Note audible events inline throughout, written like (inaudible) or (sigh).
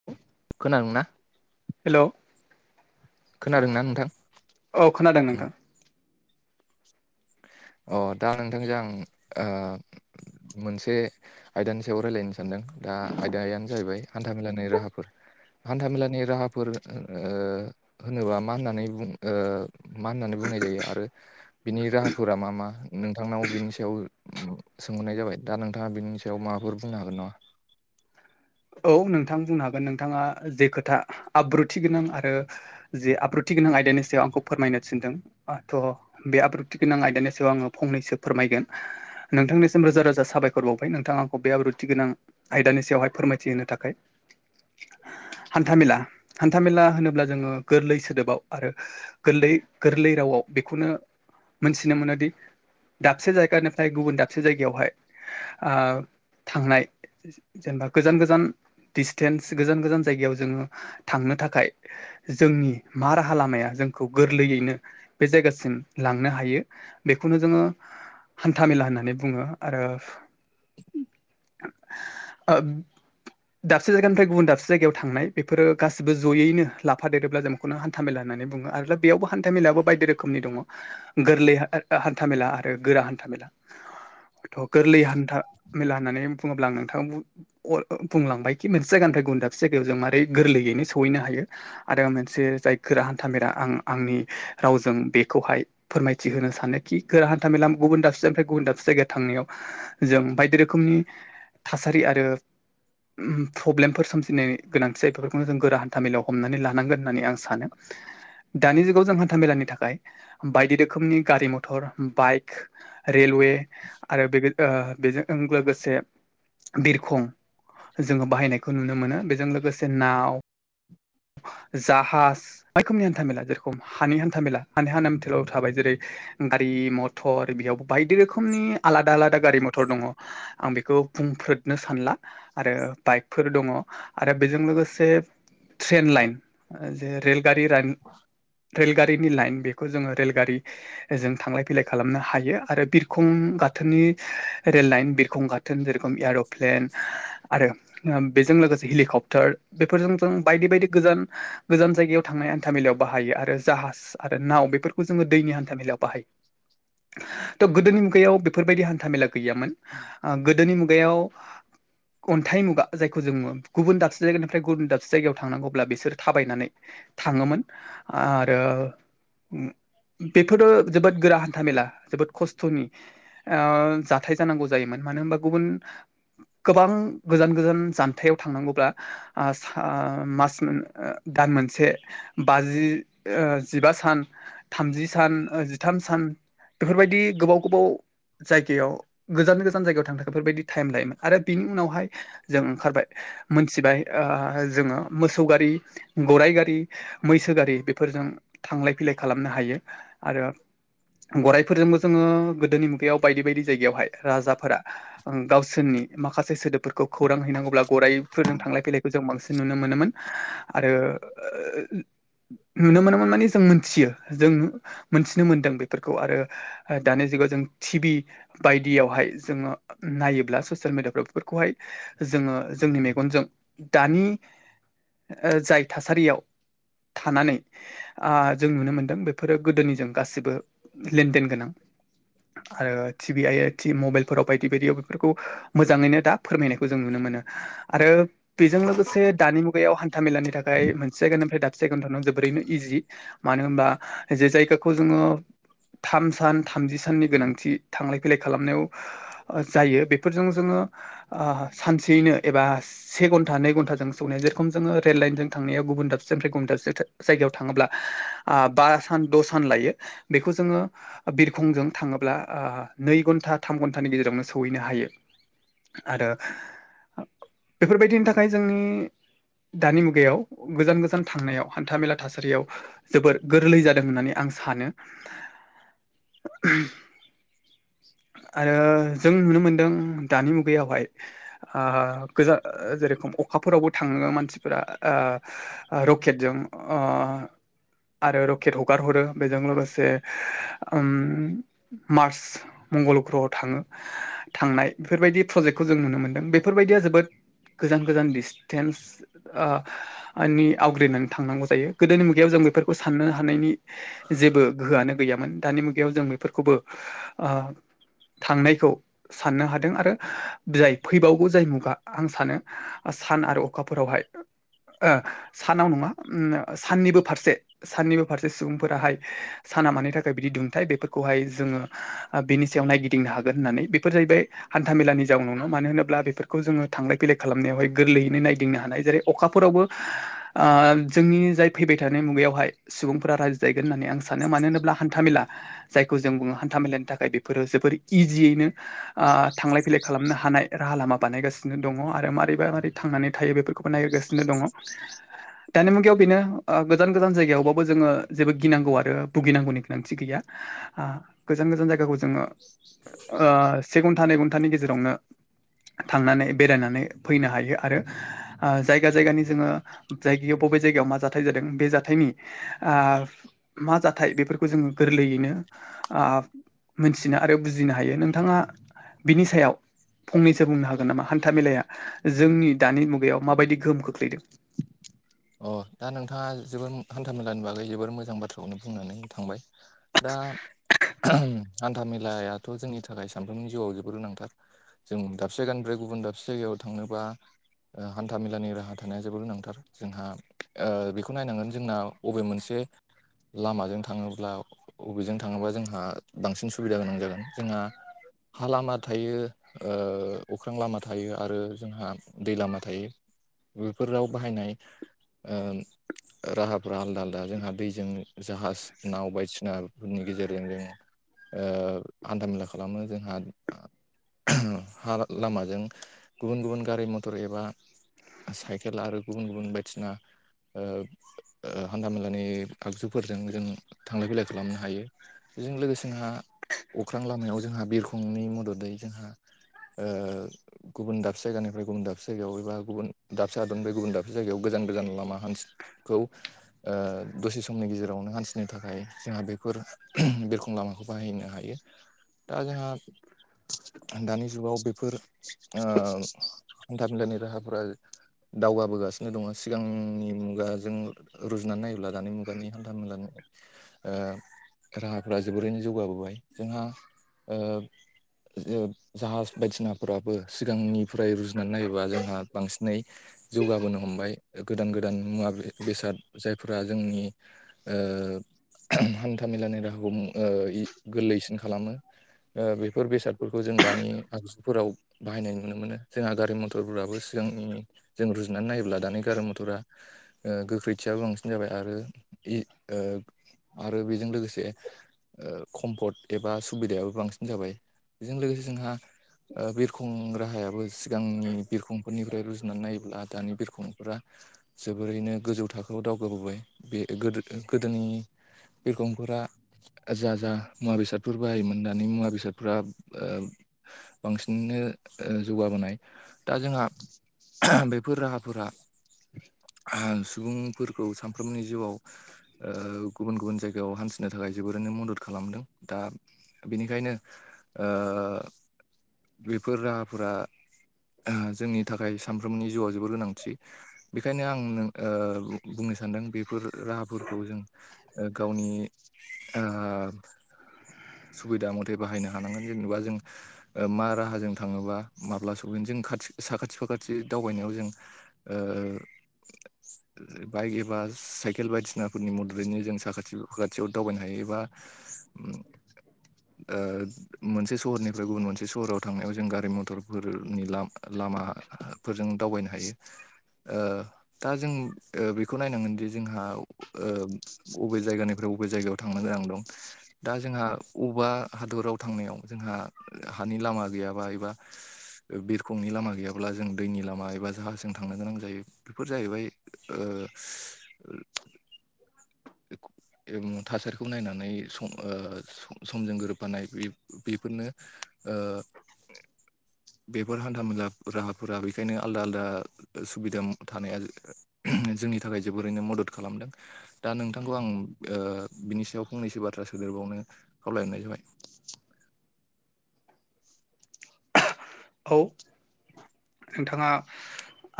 (inaudible) दंना हेल' खोनादों ना नोंथां? औ खोनादों नोंथां अ दा नोंथांजों ओ मोनसे आयदानि सायाव रायजलायनो सानदों दा आयदायानो जाहैबाय हान्था मेलानि राहाफोर। हान्थामेलानि राहाफोर ओ होनोबा मा होननानै बुं ओ मा होननानै बुंनाय जायो आरो बिनि राहा फोरा मा-मा नोंथांनाव बिनि सायाव सोंहरनाय जाबाय दा नोंथाङा बेनि सायाव माबाफोर बुंनो हागोन नामा? औ नोंथां बुंनो हागोन नोंथाङा जे खोथा आब्रुथि गोनां आरो जे आब्रुथि गोनां आयदानि सायाव आंखौ फोरमायनो थिनदों बाथ' बे आब्रुथि गोनां आयदानि सायाव आङो फंनैसो फोरमायगोन। नोंथांनिसिम रोजा-रोजा साबायखर बावबाय नोंथां आंखौ बे आब्रुथि गोनां आयदानि सायावहाय फोरमाय थि होनो थाखाय हान्थामेला-हान्थामेला होनोब्ला जोङो गोरलै सोदोबाव आरो गोरलै-गोरलै रावआव बेखौनो मोनथिनो मोनोदि दाबसे जायगानिफ्राय गुबुन दाबसे जायगायावहाय ओ थांनाय जेनेबा गोजान-गोजान डिसटेन्स गोजान-गोजान जायगायाव जोङो थांनो थाखाय जोंनि मा राहा लामाया जोंखौ गोरलैयैनो बे जायगासिम लांनो हायो बेखौनो जोङो हान्था मेला होननानै बुङो आरो ओ दाबसे जायगानिफ्राय गुबुन दाबसे जायगायाव थांनाय बेफोरो गासिबो जयैनो लाफा देरोब्ला जों बेखौनो हान्थ मेला होननानै बुङो आरो द बेयावबो हान्था मेायआो बायदि रोखोमनि दङ गोरलै हान्थाामेला आरो गोरा हान्थाामेला थ' गोरलै हान्था मेला होननानै बुङोब्ला नोंथाङा बु (unintelligible) बुंलांबायखि मोनसे जायगानिफ्राय गुबुन दाबसे जायगायाव जों मारै गोरलैयैनो सहैनो हायो आरो मोनसे जाय गोरा हान्था मेरला आं आंनि रावजों बेखौहाय फोरमायथि होनो सानोखि गोरा हान्था मेला गुबुन दाबसेनिफ्राय गुबुन दाबसे जायगायाव थांनायाव जों बायदि रोखोमनि थासारि आरो उ प्रब्लेमफोर सोमजिनो गोनांथि जायो बेफोरखौनो जों गोरा हान्था मेेलायाव हमनानै लानांगोन होननानै आं सानो। दानि जुगाव जों हा न्था मेलानि थाखाय बायदि रोखोमनि गारि मथर बाइक रेलवे आरो बे बेजों लोगोसे बिरखं जोङो बाहायनायखौ नुनो मोनो बेजों लोगोसे नाव जाहाज रायखमनि हान्था मेला जेरखम हानि हान्था मेला हानि हानामथेलाव थाबाय जेरै गारि मथर बेयावबो बायदि रोखोमनि आलादा आलादा गारि मथर दङ आं बेखौ बुंफ्रोदनो सानला आरो बाइकफोर दङ आरो बेजों लोगोसे ट्रेन लाइन जे रेल गारि रानिं रेलगारिनि लाइन बेखौ जोङो रेलगारि जों थांलाय फैलाय खालामनो हायो आरो बिरखं गाथोननि रेल‌ लाइन बिरखं गाथो दोन‌ जे रेखमनि आदब आरो बेजों लोगोसे हेलिकप्टार बेफोरजों जों बायदि बायदि गोजान गोजान जायगायाव थांनाय हान्था‌ मेेलायाव बाहायो आरो जाहाज आरो नाव बेफोरखौ जोङो दैनि हान्था मेलायाव बाहायो थ' गोदोनि मुगायाव बेफोरबायदि हान्था मेला गैयामोन गोदोनि मुगायाव अन्थाइ मुगा जायखौ जोङो गुबुन दाबसे जायगानिफ्राय गुबुन दाबसे जायगायाव थांनांगौब्ला बिसोरो थाबायनानै थाङोमोन आरो बेफोरो जोबोद गोरा हान्था मेला जोबोद खस्थ'नि जाथाय जानांगौ जायोमोन मानो होनबा गुबुन गोबां गोजान गोजान जानथायाव थांनांगौब्ला आ सा मास मोन दान मोनसे बाजि जिबा सान थामजि सान थाम सान बेफोरबायदि गोबाव गोबाव जायगायाव गोजान गोजान जायगायाव थांनो थाखाय बेफोरबायदि टाइम लायोमोन आरो बिनि उनावहाय जों ओंखारबाय मोनथिबाय जोङो मोसौ गारि गराइ गारि मैसो गारि बेफोरजों थांलाय फैलाय खालामनो हायो आरो गराइफोरजोंबो जोङो गोदोनि मुगायाव बायदि बायदि जायगायावहाय राजाफोरा गावसोरनि माखासे सोदोबफोरखौ खौरां हैनांगौब्ला गराइफोरजों थांलाय फैलायखौ जों बांसिन नुनो मोनोमोन आरो ओ नुनो मोनोमोन माने जों मोनथियो जों मोनथिनो मोनदों बेफोरखौ आरो दानि जुगाव जों टिबि बायदियावहाय जोङो नायोब्ला ससियेल मिडियाफ्राव बेफोरखौहाय जोङो जोंनि मेगन बिबनजों दानि जाय थासारियाव थानानै आ जों नुनो मोनदों बेफोरो गोदोनिजों गासिबो लेनदेन गोनां आरो टिभि ओइ मबाइलफोराव बायदि बायदियाव बेफोरखौ मोजाङैनो दा फोरमायनायखौ जों नुनो मोनो आरो बेजों लोगोसे दानि मुगायाव हान्था मेलानि थाखाय मोनसे जायगानिफ्राय दा जायगायावनो थानानै जोबोरैनो इजि मानो होनबा जे जायगाखौ जोङो थाम सान थामजि साननि गोनांथि थांलाय फैलाय खालामनायाव जायो बेफोरजों जोङो सानसेयैनो एबा से घन्टा नै घन्टाजों समायाव जे रखम जो रेल लाइनजों थांनायाव गुबुन दाबसे जायगायाव जायगायाव थाङोब्ला बा सान द' सान लायो बेखौ जोङो बिरखंजों थाङोब्ला नै घन्टा थाम घन्टानि गेजेरावनो सौहैनो हायो आरो बेफोरबायदिनि थाखाय जोंनि दानि मुगायाव गोजान गोजान थांनायाव हान्था मेला थासारियाव जोबोर गोरलै जादों होननानै आं सानो आरो जों नुनो मोनदों दानि मुगायावहाय गोजान जेरखम अखाफोरावबो थाङो मानसिफोरा रखेतजों अ आरो रकेट हगार हरो बेजों लोगोसे मार्च मंगल ग्रहआव थाङो थांनाय बेफोरबायदि प्रजेक्टखौ जों नुनो मोन्दों बेफोरबायदिया जोबोद गोजान गोजान डिसटेन्स ओ नि आवग्रिनानै थांनांगौ जायो गोदोनि मुगायाव जों बेफोरखौ साननो हानायनि जेबो गोहोआनो गैयामोन दानि मुगायाव जों बेफोरखौबो ओ थांनायखौ साननो हादों आरो जाय फैबावबो जाय मुगा आं सानो सान आरो अखाफोरावहाय सानाव नङा साननिबो फारसे साननिबो फारसे सुबुंफोराहाय साना मानि थाखाय बिदि दुंथ बेफोरखौहाय जोङो बेनि सायाव नायगिदिंनो हागोन होननानै बेफोर जाहैबाय हान्था मेलानि जाउन नङा मानो होनोब्ला बेफोरखौ जोङो थांलाय फैलाय खालामनायावहाय गोरलैयैनो नायदिंनो हानाय जायो अखाफोरावबो ओ जोंनि जाय फैबाय थानाय मुगायावहाय सुबुंफोरा रायजो जाहैगोन होननानै आं सानो मानो होनोब्ला हान्थामेला जायखौ जों बुङो हान्था मेलानि थाखाय बेफोरो जोबोर इजियैनो ओ थांलाय फैलाय खालामनो हानाय राहा लामा बानायगासिनो दङ आरो मारोरैबा मारोरै थांनानै थायो बेफोरखौबो नायगिरगासिनो दङ। (inaudible) (inaudible) दानि मुगायाव बेनो गोजान गोजान जायगायावबाबो जोङो जेबो गिनांगौ आरो भुगिनांगौनि गोनांथि गैया ओ गोजान गोजान जायगाखौ जोङो ओ से घन्टा नै घन्टानि गेजेरावनो थांनानै बेरायनानै फैनो हायो आरो जायगा जायगानि जोङो जायगायाव बबे जायगायाव मा जाथाय जादों बे जाथायनि आ मा जाथाय बेफोरखौ जोङो गोरलैयैनो आ मोनथिनो आरो बुजिनो हायो। नोंथाङा बिनि सायाव फंनैसो बुंनो हागोन नामा हान्था मेलाया जोंनि दानि मुगायाव माबायदि गोहोम खोख्लैदों? अ दा नोंथाङा जोबोर हान्था मेलानि बागै जोबोर मोजां बाथ्राखौनो बुंनानै थांबाय। दा हान्थाामेेलायाथ' जोंनि थाखाय सानफ्रोमनि जिउआव जोबोद गोनांथार। जों दाबसे जायगानिफ्राय गुबुन दाबसे जायगायाव थांनोबा - हान्थामेलानि राहा थानाया जोबोर गोनांथार जोंहा ओ बेखौ नायनांगोन जोंना बबे मोनसे लामाजों थाङोब्ला अबेजों थाङोबा जोंहा बांसिन सुबिदा गोनां जागोन जोंहा हा लामा थायो ओ अख्रां लामा थायो आरो जोंहा दै लामा थायो। बेफोर राव बाहायनाय ओ राहाफ आलदा आलदा जोंहा दैजों जाहाज, नाव बायदिसिनाफोरनि गेजेरजों जों ओ हान्थामेला खालामो जोंहा हा लामाजों गुबुन गुबुन गारि मथर एबा साइकेल आरो गुबुन गुबुन बायदिना ओ हान्था मेलानि आगजुफोरजों जों थांलाय फैलाय खालामनो हायो। बेजों लोगोसे जोंहा अख्रां लामायाव जोंहा बिरखंनि मददै जोंहा ओ गुबुन दाबसे जायगानिफ्राय गुबुन दाबसे जायगायाव एबा गुबुन दाबसे हादरनिफ्राय गुबुन दाबसे जायगायाव गोजान गोजान लामा हान्थिनाय खौ ओ दसे समनि गेजेरावनो हान्थिनो थाखाय जोंहा बेफोर बिरखं लामाखौ बाहायनो हायो दा जोंहा दानि जुगाव बेफोर ओ हान्था मेलानि राहाफोरा दावगाबोगासिनो दङ सिगांनि मुगाजों रुजुनानै नायोब्ला दानि मुगानि हान्था मेला ओ राहाफोरा जोबोरैनो जौगाबोबाय जोंहा ओ (unintelligible) जाहाज बायदिसिनाफोराबो सिगांनिफ्राय रुजुनानै नायोबा जोंहा बांसिनै जौगाबोनो हमबाय गोदान गोदान मुवा बेसाद जायफोरा जोंनि ओ हान्था मेलानि राहाखौ ओ गोरलैसिन खालामो। ओ बेफोर बेसादफोरखौ जों दानि आगजुफोराव बाहायनाय नुनो मोनो। जोंहा गारि मथरफोराबो सिगांनि जों रुजुनानै नायो ब्ला दानि गारि मथरा ओ गोख्रैथियाबो बांसिन जाबाय आरो यि ओ आरो बेजों लोगोसे ओ कम्फर्ट एबा सुबिदायाबो बांसिन जाबाय बेजों लोगोसे जोंहा ओ बिरखं राहायाबो सिगांनि बिरखंफोरनिफ्राय रुजुनानै नायोब्ला दानि बिरख बिरखंफोरा जोबोरैनो गोजौ थाखोआव दावगाबोबाय बे गोदो गोदोनि बिरखंफोरा जा जा मुवा बेसादफोर बाहायोमोन दानि मुवा बेसादफोरा ओ बांसिननो ओ जौगाबोनाय दा जोंहा बेफोर राहा फोर सुबुंफोरखौ सानफ्रोमनि जिउआव ओ गुबुन गुबुन जायगायाव हान्थिनो थाखाय जोबोरैनो मदद खालामदों दा बिनिखायनो ओ बेफोर राहाफोरा जोंनि थाखाय सानफ्रोमनि जिउआव जोबोर गोनां। थि बेखायनो आं ओ बुंनो सानदों बेफोर राहाफोरखौ जों ओ गावनि ओ सुबिदा मथे बाहायनो हानांगोन जेनेबा जों ओ मा राहाजों थाङोबा माब्ला सफैनो जों खाथि साखाथि फाखाथि दावबायनायाव जों ओ बाइक एबा साइकेल बायदिसिनाफोरनि मददैनो जों साखाथि फाखाथियाव दावबायनो हायो एबा (inaudible) ओ मोनसे सहरनिफ्राय गुबुन मोनसे सहराव थांनायाव जों गारि मथरफोरनि ला-लामा फोरजों दावबायनो हायो ओ दा जों ओ बेखौ नायनांगोनदि जोंहा ओ अबे जायगानिफ्राय अबे जायगायाव थांनो गोनां दं दा जोंहा बबेबा हादराव थांनायाव जोंहा हानि लामा गैयाबा एबा ओ बिरखंनि लामा गैयाब्ला जों दैनि लामा एबा जाहज जों थांनो गोनां जायो बेफोर जाहैबाय ओ (inaudible) ओं थासारिखौ नायनानै सम ओ स-समजों गोरोबफानाय बे-बेफोरनो ओ बेफोर हान्थ मेला राहाफोरा बेखायनो आलदा आलदा सुबिदा थानाया जोंनि थाखाय जोबोरैनो मदद खालामदों दा नोंथांखौ आं बिनि सायाव फंनैसो बाथ्रा सोदेरबावनो खावलायहरनाय जाबाय औ नोंथाङा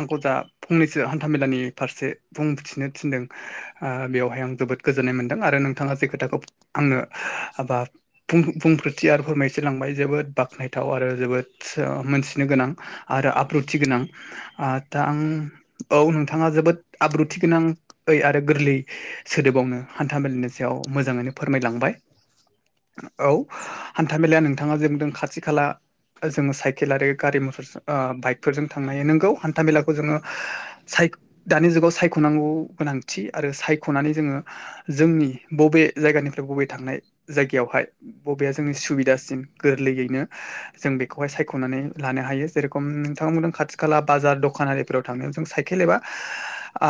आंखौ दा फंनैसो हान्थामेलानि फारसे बुंथिनो थिनदों ओ बेवहाय आं जोबोद गोजोननाय मोनदों आरो नोंथाङा जे खोथाखौ आंनो हाबा बुं-बुंफोरथि आरो फोरमायथिलांबाय जोबोद बाख्नायथाव आरो जोबोद ओ मोनथिनो गोनां आरो आब्रुथि गोनां आ दाआं औ नोंथाङा जोबोद आब्रुथि गोनां ओय आरो गोरलै सोदोबावनो हान्थ मेलालिनि सायाव मोजाङैनो फोरमायलांबाय औ हान्थामेलाया नोंथाङा जोंदों खाथि खाला ओ जोङो साइकेल आरो गारि मटर ओ बाइकफोरजों थांनो हायो नोंगौ हान्था मेलाखौ जोङो साइक दानि जुगाव सायख'नांगौ गोनांथि आरो सायख'नानै जोङो जोंनि बबे जायगानिफ्राय बबे थांनाय जायगायावहाय बबेया जोंनि सुबिदासिन गोरलैयैनो जों बेखौहाय सायख'नानै लानो हायो जेरेखम नोंथां बुंदों खाथि खाला बाजार दखानारि फोराव थांनायाव जों साइकेल एबा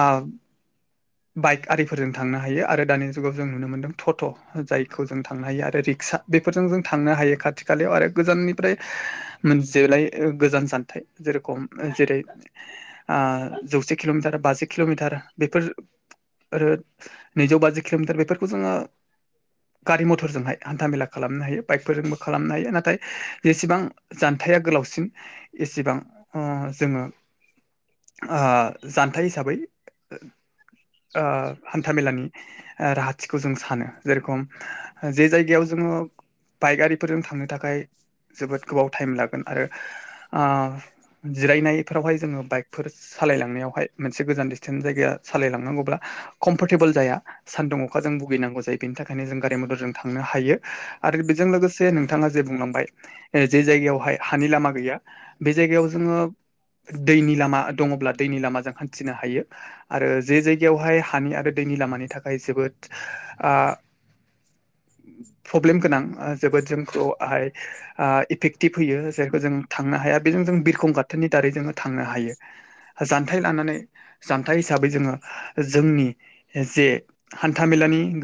ओ (inaudible) बाइक आरिफोरजों थांनो हायो आरो दानि जुगाव जों नुनो मोनदों टट' जायखौ जों थांनो हायो आरो रिक्सा बेफोरजों जों थांनो हायो खाथि खालायाव आरो गोजाननि फ्राय मोनसेलाय गोजान जानथायाइ जेरखम जेरै ओ जौसे किल'मिटार बाजि किल'मिटार बेफोर आरो नैजौ बाजि किल'मिटार बेफोरखौ जोङो गारि मथरजोंहाय हान्था मेला खालामनो हायो बाइकफोरजोंबो खालामनो हायो नाथाय जेसेबां जानथाया गोलावसिन एसेबां ओं जोङो ओ जान्थाइ हिसाबै ओ हान्था मेलानि ओ राहाथिखौ जों सानो जेरेखम जे जायगायाव जोङो बाइक आरिफोरजों थांनो थाखाय जोबोद गोबाव टाइम लागोन आरो ओ जिरायनायफोरावहाय जोङो बाइकफोर सालायलांनायावहाय मोनसे गोजान डिसटेन्स जायगाया सालायलांनांगौब्ला कम्फर्टेबोल जाया। सान्दुं अखाजों भुगिनांगौ जायो बेनि थाखायनो जों गारि मटरजों थांनो हायो आरो बेजों लोगोसे से नोंथाङा जे बुंलांबाय। ओ जे जायगायावहाय हानि लामा गैया बे जायगायाव जोङो दैनि लामा दङब्ला दैनि लामाजों हान्थिनो हायो। आरो जे जायगायावहाय हानि आरो दैनि लामानि थाखाय जोबोद ओ प्रब्लेम गोनां ओ जोबोद जोंखौ हाय ओ इफेक्टिभ होयो जायखौ जों थांनो हाया बेजों जों बिरखं गाथोनि दारै जोङो थांनो हायो। जानथाइ लानानै जान्था हिसाबै जोङो जोंनि जे हान्था मेलानि